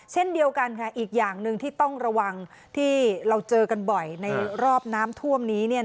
เช่นเดียวกันค่ะอีกอย่างหนึ่งที่ต้องระวังที่เราเจอกันบ่อยในรอบน้ำท่วมนี้